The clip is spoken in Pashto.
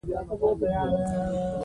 افغانستان په د کابل سیند باندې تکیه لري.